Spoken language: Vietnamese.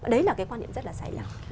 đấy là cái quan niệm rất là sai lầm